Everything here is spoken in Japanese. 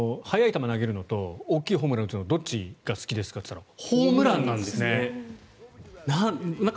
速い球を投げるのと大きいホームランを打つのとどっちがいいのかというとホームランなんですね。